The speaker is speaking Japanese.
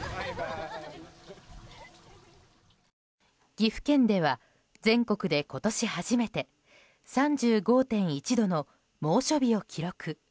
岐阜県では全国で今年初めて３５．１度の猛暑日を記録。